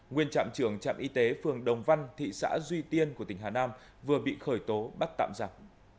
nguyên trạm trưởng trạm y tế phường đồng văn thị xã duy tiên của tỉnh hà nam vừa bị khởi tố bắt tạm giặc